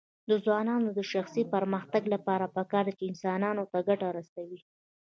د ځوانانو د شخصي پرمختګ لپاره پکار ده چې انسانانو ته ګټه رسوي.